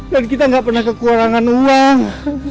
dan kita gak pernah kekurangan uang